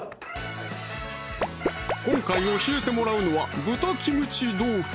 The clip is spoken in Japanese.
今回教えてもらうのは「豚キムチ豆腐」